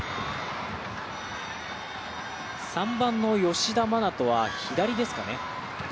３番の吉田真那斗は左ですかね。